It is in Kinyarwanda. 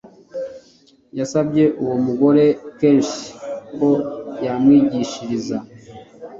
yasabye uwo mugore kenshi ko yamwigishiriza